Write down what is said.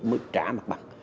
mới trả mặt bằng